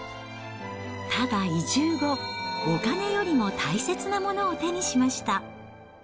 ただ、移住後、お金よりも大切なものを手にしました。